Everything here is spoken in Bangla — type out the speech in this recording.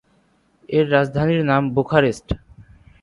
এর রাজধানীর নাম বুখারেস্ট।